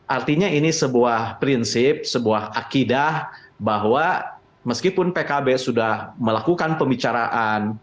artinya ini sebuah prinsip sebuah akidah bahwa meskipun pkb sudah melakukan pembicaraan